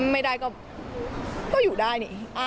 ไม่ได้ก็อยู่ได้นี่